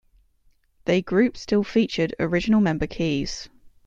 They group still featured original member Keyes.